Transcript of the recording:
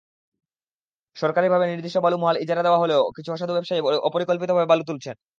সরকারিভাবে নির্দিষ্ট বালুমহাল ইজারা দেওয়া হলেও কিছু অসাধু ব্যবসায়ী অপরিকল্পিতভাবে বালু তুলছেন।